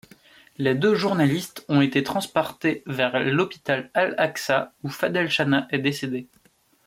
Les deux journalistes ont été transportés vers l'hôpital Al-Aqsa, où Fadel Shanaa est décédé.